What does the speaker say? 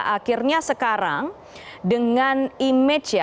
akhirnya sekarang dengan image ya